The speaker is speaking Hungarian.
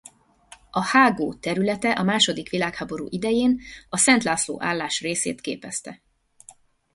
A hágó területe a második világháború idején az Szent László-állás részét képezte.